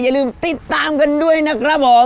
อย่าลืมติดตามกันด้วยนะครับผม